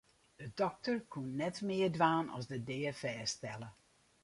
De dokter koe net mear dwaan as de dea fêststelle.